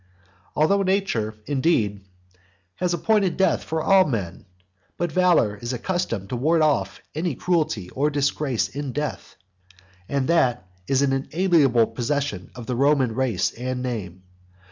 Although nature, indeed, has appointed death for all men: but valour is accustomed to ward off any cruelty or disgrace in death. And that is an inalienable possession of the Roman race and name.